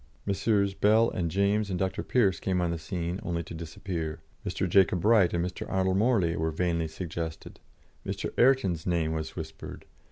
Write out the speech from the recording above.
Messrs. Bell and James and Dr. Pearce came on the scene only to disappear. Mr. Jacob Bright and Mr. Arnold Morley were vainly suggested. Mr. Ayrton's name was whispered.